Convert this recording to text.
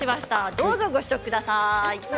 どうぞご試食ください。